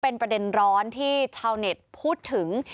เป็นประเด็นร้อนที่ชาวเน็ตพูดถึง